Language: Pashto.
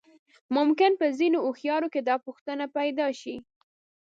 ممکن په ځينې هوښيارو کې دا پوښتنه پيدا شي.